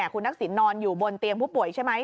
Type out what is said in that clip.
คุณทักษิณนอนอยู่บนเตียงผู้ป่วยใช่ไหม